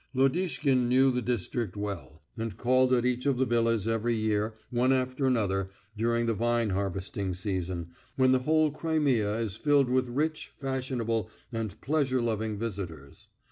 Lodishkin knew the district well, and called at each of the villas every year, one after another, during the vine harvesting season, when the whole Crimea is filled with rich, fashionable, and pleasure loving visitors.